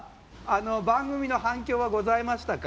番組の反響はございましたか？